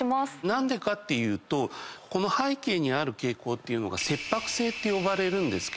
何でかっていうとこの背景にある傾向というのが切迫性って呼ばれるんですけど。